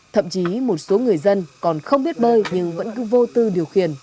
thậm chí một số người dân còn không biết bơi nhưng vẫn cứ vô tư điều khiển